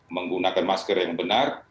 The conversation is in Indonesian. menggunakan masker yang benar